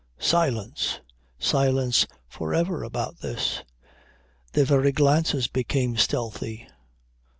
Silence! Silence for ever about this. Their very glances became stealthy.